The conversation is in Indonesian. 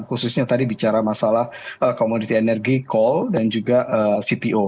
khususnya tadi bicara masalah komoditi energi call dan juga cpo